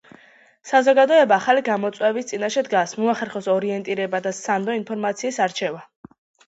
საზოგადოება ახალი გამოწვევის წინაშე დგას - მოახერხოს ორიენტირება და სანდო ინფორმაციის ამორჩევა.